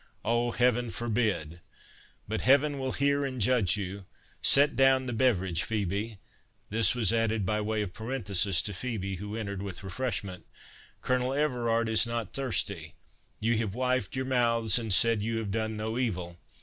Oh Heaven forbid! But Heaven will hear and judge you. Set down the beverage, Phœbe"—(this was added by way of parenthesis to Phœbe, who entered with refreshment)—"Colonel Everard is not thirsty—You have wiped your mouths, and said you have done no evil.